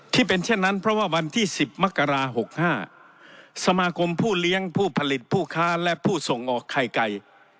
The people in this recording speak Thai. เช่นนั้นเพราะว่าวันที่๑๐มกรา๖๕สมาคมผู้เลี้ยงผู้ผลิตผู้ค้าและผู้ส่งออกไข่ไก่